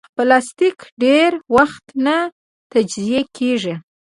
پلاستيک ډېر وخت نه تجزیه کېږي.